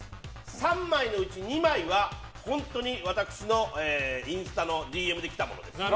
３枚のうち２枚は本当に私のインスタのＤＭで来たものです。